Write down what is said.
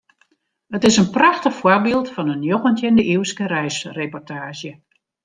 It is in prachtich foarbyld fan in njoggentjinde-iuwske reisreportaazje.